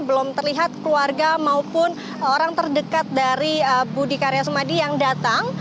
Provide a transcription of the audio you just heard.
belum terlihat keluarga maupun orang terdekat dari budi karya sumadi yang datang